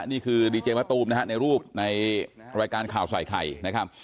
นี่คือดีเจมะตูมนะฮะในรูปในรายการข่าวใส่ไข่นะครับ